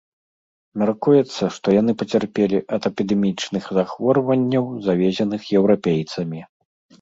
Мяркуецца, што яны пацярпелі ад эпідэмічных захворванняў, завезеных еўрапейцамі.